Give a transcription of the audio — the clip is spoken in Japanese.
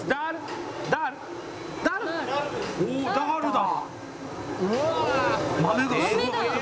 おおダールだ！